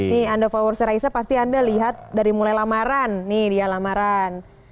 nih under followers raisa pasti anda lihat dari mulai lamaran nih dia lamaran